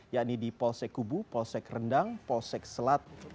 yakni di polsek kubu polsek rendang polsek selat